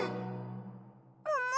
もも？